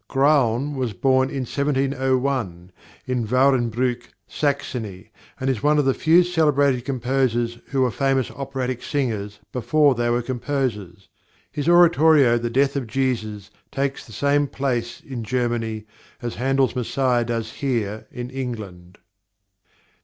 Graun was born in 1701, at Wahrenbrück, Saxony, and is one of the few celebrated composers who were famous operatic singers before they were composers. His oratorio The Death of Jesus takes the same place in Germany as Handel's Messiah does here in England.